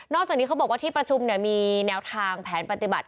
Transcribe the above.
จากนี้เขาบอกว่าที่ประชุมมีแนวทางแผนปฏิบัติ